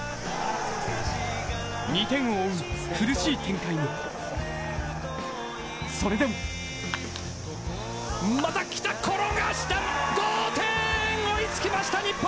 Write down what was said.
２点を追う苦しい展開にそれでも同点、追いつきました日本。